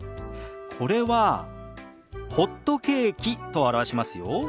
これは「ホットケーキ」と表しますよ。